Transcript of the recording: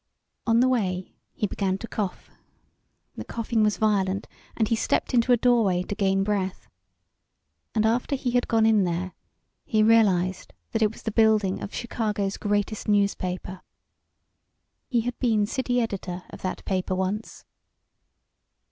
On the way he began to cough. The coughing was violent, and he stepped into a doorway to gain breath. And after he had gone in there he realised that it was the building of Chicago's greatest newspaper. He had been city editor of that paper once.